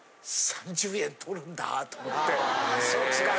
３０円取るんだと思って。